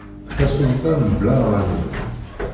Tasumta mebla aɣanim.